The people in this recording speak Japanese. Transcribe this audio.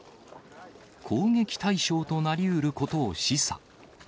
攻撃対象となりうることを示唆。